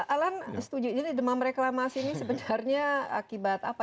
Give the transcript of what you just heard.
alan setuju jadi demam reklamasi ini sebenarnya akibat apa